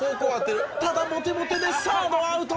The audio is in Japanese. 「ただボテボテでサードアウト。